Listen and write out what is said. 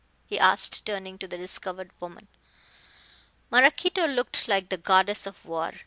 he asked, turning to the discovered woman. Maraquito looked like the goddess of war.